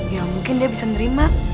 ya mungkin dia bisa nerima